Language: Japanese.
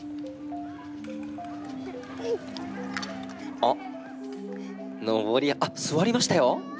あっ登りあっ座りましたよ。